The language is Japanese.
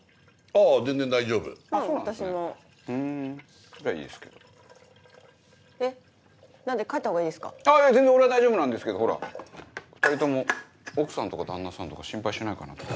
あぁいや全然俺は大丈夫なんですけどほら２人とも奥さんとか旦那さんとか心配しないかなと思って。